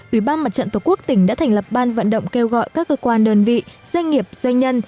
ủy ban mặt trận tổ quốc tỉnh đã thành lập ban vận động kêu gọi các cơ quan đơn vị doanh nghiệp doanh nhân